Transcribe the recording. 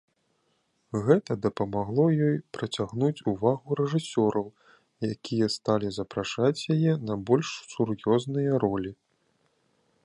Гэта дапамагло ёй прыцягнуць увагу рэжысёраў, якія сталі запрашаць яе на больш сур'ёзныя ролі.